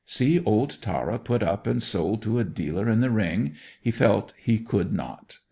See old Tara put up and sold to a dealer in the ring, he felt he could not.